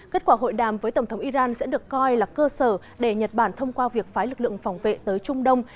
kết quả hội đàm với tổng thống iran sẽ được coi là cơ sở để nhật bản thông qua việc phái lực lượng phòng vệ tới trung đông